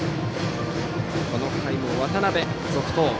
この回も渡辺が続投。